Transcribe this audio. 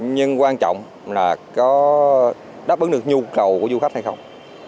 nhưng quan trọng là có đáp ứng được nhu cầu của du khách hay không